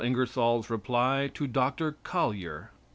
INGERSOLL'S REPLY TO DR. COLLYER.